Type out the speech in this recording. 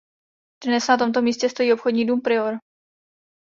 Dnes na tomto místě stojí obchodní dům Prior.